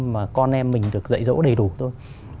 mà con em mình được dạy dỗ đầy đủ thôi